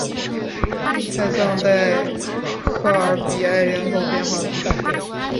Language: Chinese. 泰藏代科尔比埃人口变化图示